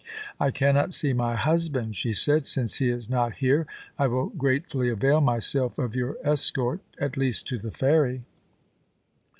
* I cannot see my husband,' she said. * Since he is not here I will gratefully avail myself of your escort — at least to the ferry.'